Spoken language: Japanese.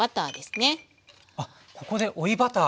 あっここで追いバター。